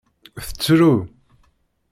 Tettru.